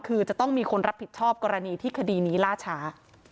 คือจะต้องมีคนรับผิดชอบกรณีที่คดีนี้ล่าช้า